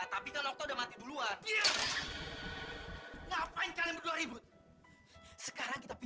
tapi jika kalian berhasil menjalankan tugas dengan baik dan rapi